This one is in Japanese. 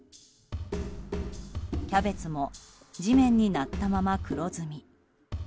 キャベツも地面になったまま黒ずみ。